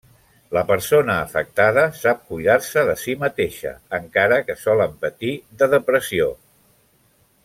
La persona afectada sap cuidar-se de si mateixa, encara que solen patir de depressió.